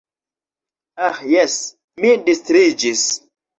Aĥ jes, mi distriĝis.